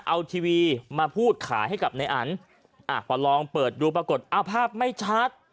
เอาทีวีมาพูดขายให้กับนายอันพอลองเปิดดูปรากฏเอาภาพไม่ชัด